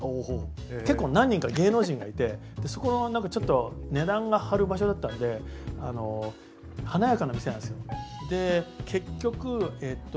結構、何人か芸能人がいてそこはちょっと値段が張る場所だったんで華やかな店なんですよ。